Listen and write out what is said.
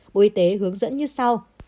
bộ y tế hướng dẫn như sau